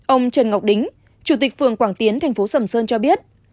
ông trần ngọc đính chủ tịch phường quảng tiến thành phố sầm sơn cho biết